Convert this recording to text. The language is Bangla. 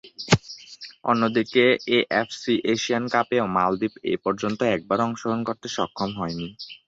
অন্যদিকে, এএফসি এশিয়ান কাপেও মালদ্বীপ এপর্যন্ত একবারও অংশগ্রহণ করতে সক্ষম হয়নি।